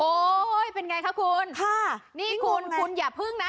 เป็นไงคะคุณค่ะนี่คุณคุณอย่าพึ่งนะ